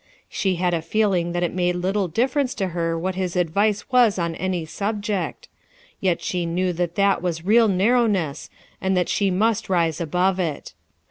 She had a feeling that it mado little difference to her what his advice was on any subject; yet she knew that that was real narrowness and that she must rUc above it.